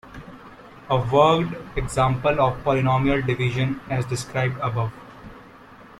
A worked example of polynomial division, as described above.